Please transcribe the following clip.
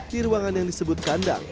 di ruangan yang disebut kandang